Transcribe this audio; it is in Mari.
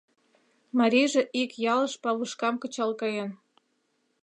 Марийже ик ялыш павышкам кычал каен.